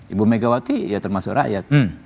ibu megawati ya termasuk rakyat